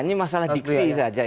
iya ini masalah diksi saja ya